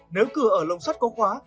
nếu cửa ở lồng sắt có khóa